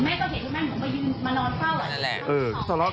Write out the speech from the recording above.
เหล่าแม่ก็เห็นว่าแม่งงงไปยืนมานอนเฝ้าแหล่ะ